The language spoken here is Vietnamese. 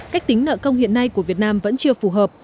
cách tính nợ công hiện nay của việt nam vẫn chưa phù hợp